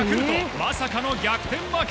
まさかの逆転負け。